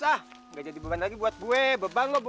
tidak jadi beban lagi buat gue beban lu beban